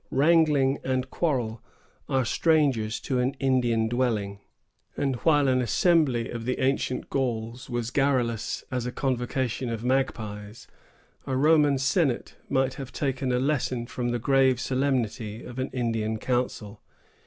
Wrangling and quarrel are strangers to an Indian dwelling; and while an assembly of the ancient Gauls was garrulous as a convocation of magpies, a Roman senate might have taken a lesson from the grave solemnity of an Indian council.